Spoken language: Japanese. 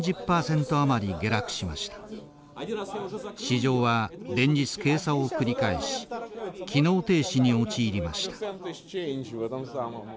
市場は連日閉鎖を繰り返し機能停止に陥りました。